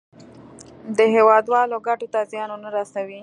د هېوادوالو ګټو ته زیان ونه رسوي.